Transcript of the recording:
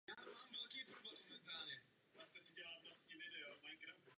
Pořadatelem výstav je "Spolek přátel historické techniky".